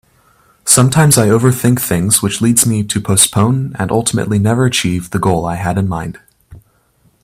Sometimes I overthink things which leads me to postpone and ultimately never achieve the goal I had in mind.